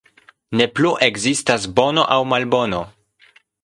Ne plu ekzistas bono aŭ malbono.